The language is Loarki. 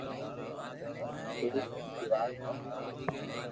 ايڪ ھي وات ھڻاو